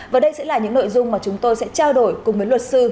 và đây sẽ là những nội dung mà chúng tôi sẽ trao đổi cùng với luật sư